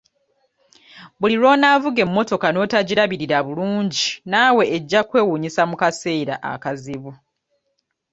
Buli lw'onaavuga emmotoka n'otagirabirira bulungi naawe eggya kkwewuunyisa mu kaseera akazibu.